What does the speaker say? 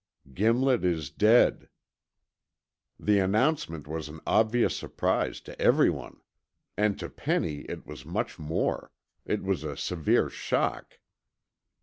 "Gimlet is dead." The announcement was an obvious surprise to everyone. And to Penny it was much more. It was a severe shock.